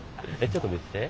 ちょっと見せて。